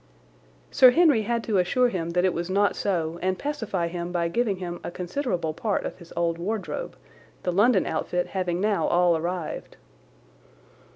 Sir Henry had to assure him that it was not so and pacify him by giving him a considerable part of his old wardrobe, the London outfit having now all arrived.